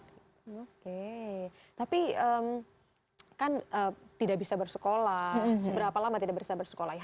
oke tapi kan tidak bisa bersekolah seberapa lama tidak bisa bersekolah ya